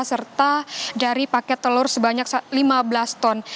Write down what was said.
serta dari paket telur sebanyak lima belas ton